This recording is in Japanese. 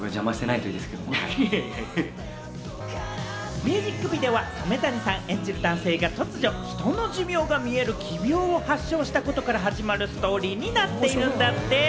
ミュージックビデオは染谷さん演じる男性が、突如、人の寿命が見える奇病を発症したことから始まるストーリーになっているんだって。